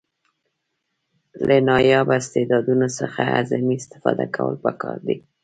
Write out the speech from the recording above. له نایابه استعدادونو څخه اعظمي استفاده کول پکار دي.